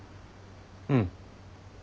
うん。